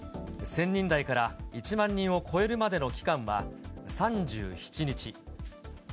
１０００人台から１万人を超えるまでの期間は、３７日。